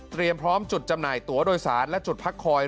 พร้อมจุดจำหน่ายตัวโดยสารและจุดพักคอย